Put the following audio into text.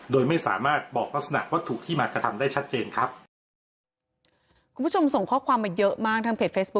โดยไม่สามารถบอกลักษณะวัตถุที่มากระทำได้ชัดเจนครับคุณผู้ชม